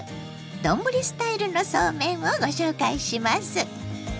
丼スタイルのそうめんをご紹介します。